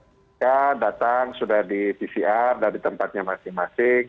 jadi kita datang sudah di pcr dari tempatnya masing masing